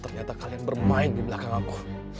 ternyata kalian bermain dibelakang aku